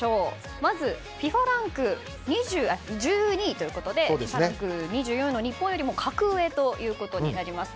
まずＦＩＦＡランクが１２位ということでＦＩＦＡランク２４位の日本よりも格上となります。